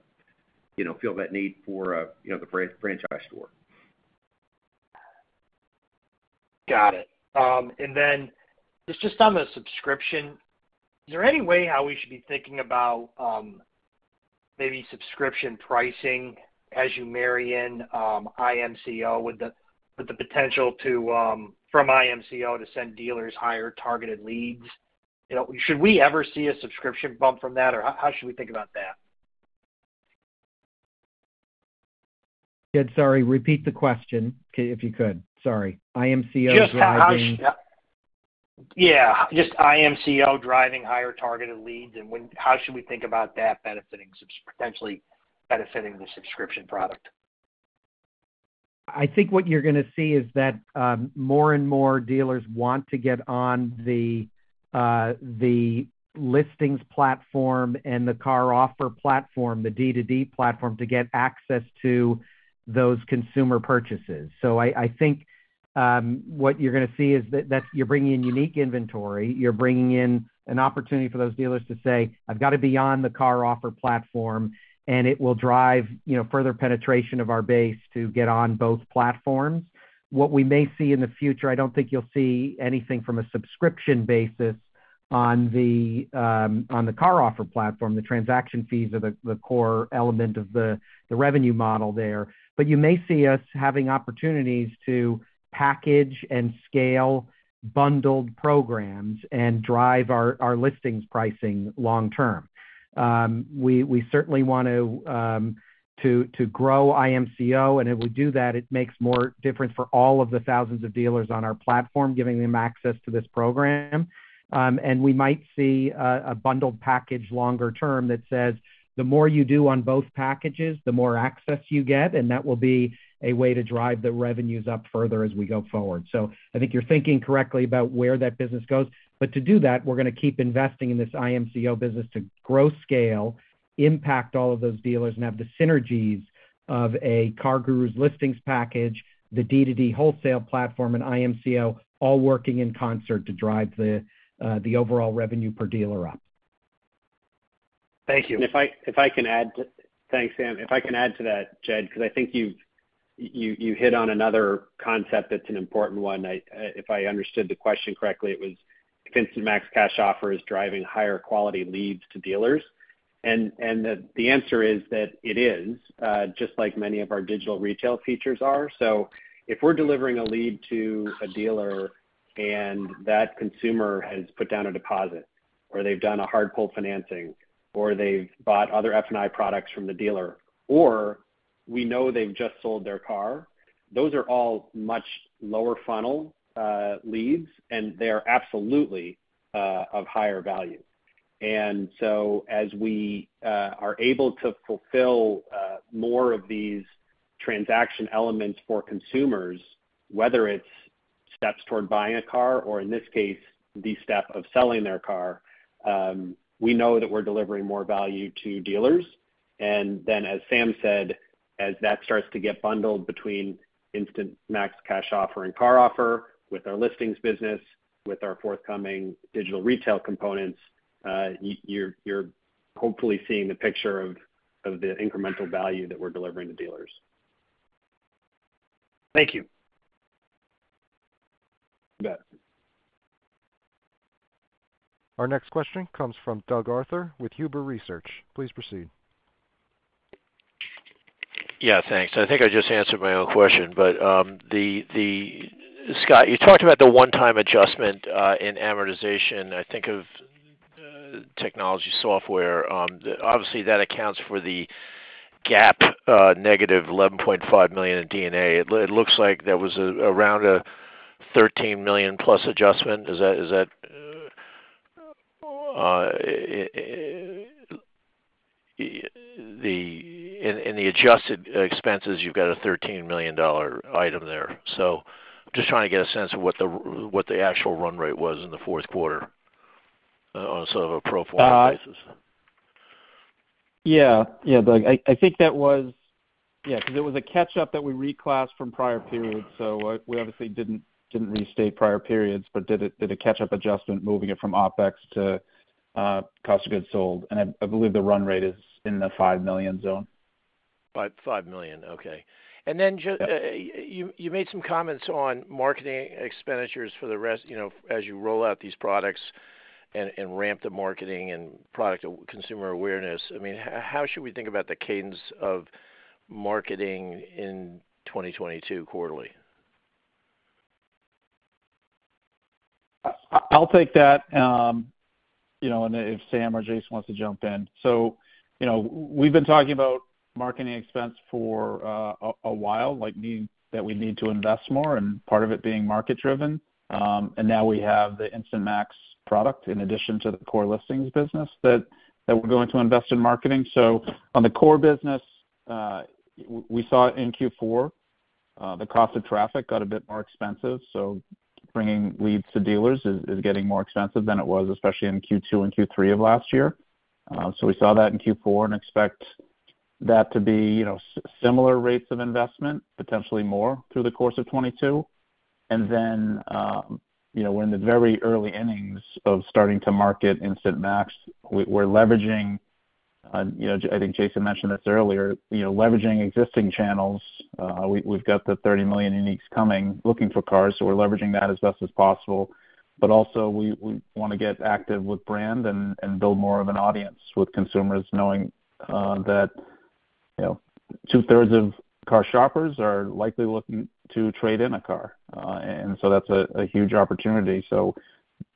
you know, fill that need for, you know, the franchise store. Got it. Just on the subscription, is there any way how we should be thinking about maybe subscription pricing as you marry in IMCO with the potential to from IMCO to send dealers higher targeted leads? You know, should we ever see a subscription bump from that, or how should we think about that? Jed, sorry. Repeat the question if you could. Sorry. IMCO driving- Yeah, just IMCO driving higher targeted leads and how should we think about that potentially benefiting the subscription product? I think what you're gonna see is that more and more dealers want to get on the listings platform and the CarOffer platform, the D2D platform, to get access to those consumer purchases. I think what you're gonna see is that you're bringing in unique inventory. You're bringing in an opportunity for those dealers to say, "I've got to be on the CarOffer platform," and it will drive, you know, further penetration of our base to get on both platforms. What we may see in the future, I don't think you'll see anything from a subscription basis. On the CarOffer platform, the transaction fees are the core element of the revenue model there. You may see us having opportunities to package and scale bundled programs and drive our listings pricing long term. We certainly want to grow IMCO, and if we do that, it makes more difference for all of the thousands of dealers on our platform, giving them access to this program. We might see a bundled package longer term that says, the more you do on both packages, the more access you get, and that will be a way to drive the revenues up further as we go forward. I think you're thinking correctly about where that business goes. To do that, we're gonna keep investing in this IMCO business to grow scale, impact all of those dealers, and have the synergies of a CarGurus listings package, the D2D wholesale platform, and IMCO all working in concert to drive the overall revenue per dealer up. Thank you. Thanks, Sam. If I can add to that, Jed, because I think you've you hit on another concept that's an important one. If I understood the question correctly, it was Instant Max Cash Offer is driving higher quality leads to dealers. The answer is that it is, just like many of our digital retail features are. If we're delivering a lead to a dealer and that consumer has put down a deposit or they've done a hard pull financing or they've bought other F&I products from the dealer, or we know they've just sold their car, those are all much lower funnel leads, and they are absolutely of higher value. As we are able to fulfill more of these transaction elements for consumers, whether it's steps toward buying a car or in this case, the step of selling their car, we know that we're delivering more value to dealers. As Sam said, as that starts to get bundled between Instant Max Cash Offer and CarOffer with our listings business, with our forthcoming digital retail components, you're hopefully seeing the picture of the incremental value that we're delivering to dealers. Thank you. You bet. Our next question comes from Doug Arthur with Huber Research. Please proceed. Yeah, thanks. I think I just answered my own question. Scot, you talked about the one-time adjustment in amortization, I think of technology software. Obviously, that accounts for the GAAP -$11.5 million in D&A. It looks like there was around a $13 million+ adjustment. Is that in the adjusted expenses, you've got a $13 million item there. So I'm just trying to get a sense of what the actual run rate was in the fourth quarter on sort of a pro forma basis. Yeah, Doug, I think that was yeah, 'cause it was a catch-up that we reclassed from prior periods. We obviously didn't restate prior periods, but did a catch-up adjustment moving it from OpEx to cost of goods sold. I believe the run rate is in the $5 million zone. $5.5 million. Okay. Yep. You made some comments on marketing expenditures for the rest, you know, as you roll out these products and ramp the marketing and product consumer awareness. I mean, how should we think about the cadence of marketing in 2022 quarterly? I'll take that, you know, and if Sam or Jason wants to jump in. You know, we've been talking about marketing expense for a while, like, that we need to invest more and part of it being market-driven. Now we have the Instant Max product in addition to the core listings business that we're going to invest in marketing. On the core business, we saw it in Q4, the cost of traffic got a bit more expensive, so bringing leads to dealers is getting more expensive than it was, especially in Q2 and Q3 of last year. We saw that in Q4 and expect that to be, you know, similar rates of investment, potentially more through the course of 2022. We're in the very early innings of starting to market Instant Max. We're leveraging, you know, I think Jason mentioned this earlier, you know, leveraging existing channels. We've got the 30 million uniques coming, looking for cars, so we're leveraging that as best as possible. But also we wanna get active with brand and build more of an audience with consumers knowing, you know, that two-thirds of car shoppers are likely looking to trade in a car. And so that's a huge opportunity.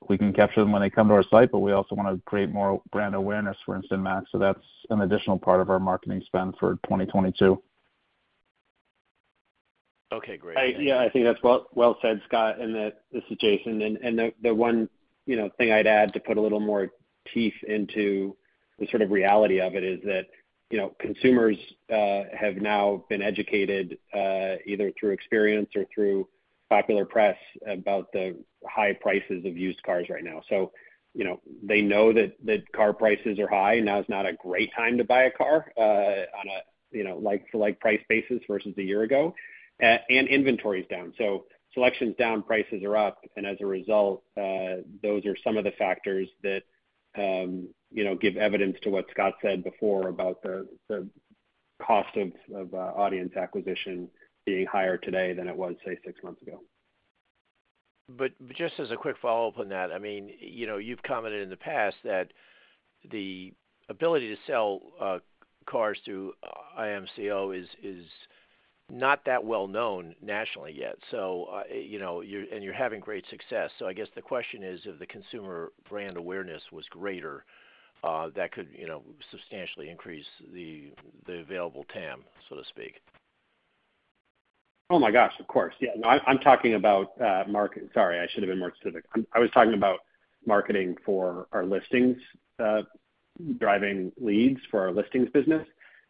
We can capture them when they come to our site, but we also wanna create more brand awareness for Instant Max. That's an additional part of our marketing spend for 2022. Okay, great. Yeah, I think that's well said, Scot. This is Jason. The one, you know, thing I'd add to put a little more teeth into the sort of reality of it is that, you know, consumers have now been educated either through experience or through popular press about the high prices of used cars right now. You know, they know that car prices are high. Now is not a great time to buy a car on a, you know, like-for-like price basis versus a year ago. Inventory is down. So selection's down, prices are up. As a result, those are some of the factors that, you know, give evidence to what Scot said before about the cost of audience acquisition being higher today than it was, say, six months ago. Just as a quick follow-up on that, I mean, you know, you've commented in the past that the ability to sell cars through IMCO is not that well known nationally yet. You know, you're having great success. I guess the question is if the consumer brand awareness was greater, that could, you know, substantially increase the available TAM, so to speak. Oh my gosh, of course. Yeah. No, I'm talking about. Sorry, I should have been more specific. I was talking about marketing for our listings, driving leads for our listings business.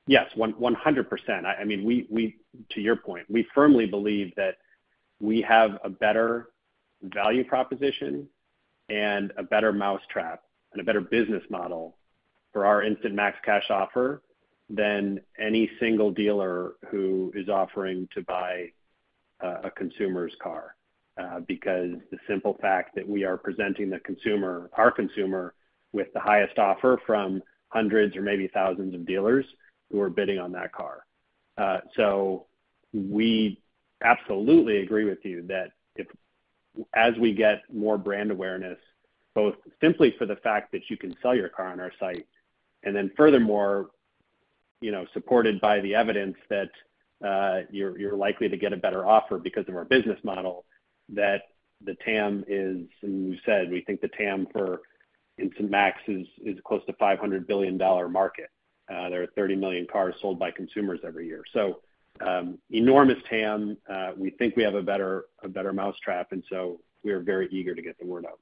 Yes, 100%. I mean, we to your point, we firmly believe that we have a better value proposition and a better mousetrap and a better business model for our Instant Max Cash Offer than any single dealer who is offering to buy a consumer's car, because the simple fact that we are presenting the consumer, our consumer, with the highest offer from hundreds or maybe thousands of dealers who are bidding on that car. We absolutely agree with you that as we get more brand awareness, both simply for the fact that you can sell your car on our site, and then furthermore, you know, supported by the evidence that you're likely to get a better offer because of our business model, that the TAM is, and we've said we think the TAM for Instant Max is close to $500 billion market. There are 30 million cars sold by consumers every year. Enormous TAM. We think we have a better mousetrap, and we are very eager to get the word out.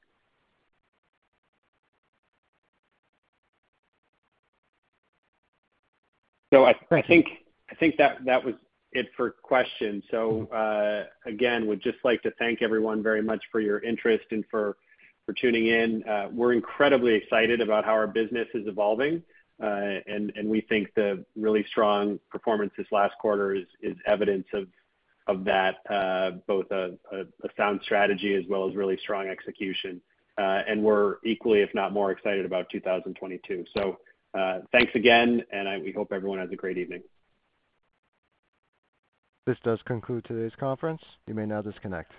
I think that was it for questions. Again, I would just like to thank everyone very much for your interest and for tuning in. We're incredibly excited about how our business is evolving, and we think the really strong performance this last quarter is evidence of that, both a sound strategy as well as really strong execution. We're equally, if not more excited about 2022. Thanks again, and we hope everyone has a great evening. This does conclude today's conference. You may now disconnect.